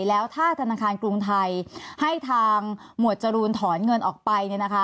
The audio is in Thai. แล้วถ้าธนาคารกรุงไทยให้ทางหมวดจรูนถอนเงินออกไป